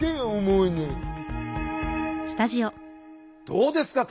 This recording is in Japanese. どうですか？